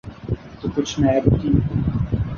تو کچھ نیب کی۔